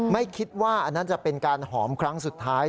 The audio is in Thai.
ไม่คิดว่าอันนั้นจะเป็นการหอมครั้งสุดท้าย